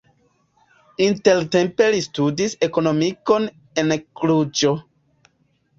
Intertempe li studis ekonomikon en Kluĵo.